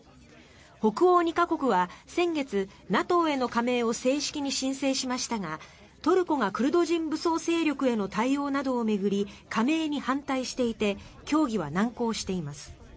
北欧２か国は先月、ＮＡＴＯへの加盟を正式に申請しましたがトルコがクルド人武装勢力への対応などを巡り加盟に反対していて協議は難航しています。